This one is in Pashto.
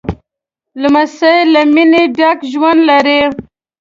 لمسی له مینې ډک ژوند لري.